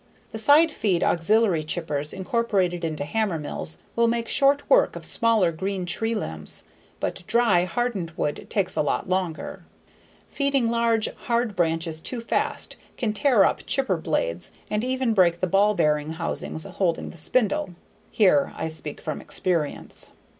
The side feed auxiliary chippers incorporated into hammermills will make short work of smaller green tree limbs; but dry, hardened wood takes a lot longer. Feeding large hard branches too fast can tear up chipper blades and even break the ball bearing housings holding the spindle. Here I speak from experience.